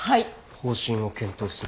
方針を検討する。